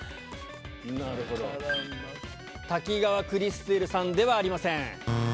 滝川クリステルさんではありません。